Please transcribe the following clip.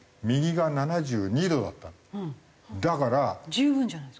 十分じゃないですか。